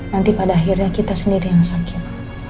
nanti pada akhirnya kita sendiri yang sakit